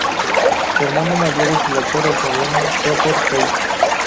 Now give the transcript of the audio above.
Su hermano mayor es el actor australiano Rupert Reid.